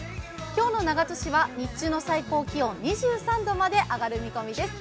今日の長門市は日中の最高気温、２３度まで上がる見込みです。